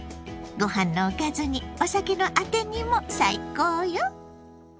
ごはんのおかずにお酒のあてにも最高よ。